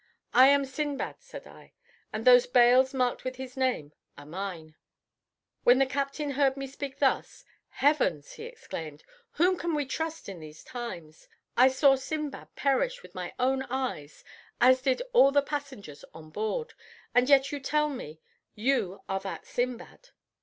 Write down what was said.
"I am Sindbad," said I, "and those bales marked with his name are mine." When the captain heard me speak thus, "Heavens!" he exclaimed, "whom can we trust in these times? I saw Sindbad perish with my own eyes, as did also the passengers on board, and yet you tell me you are that Sindbad.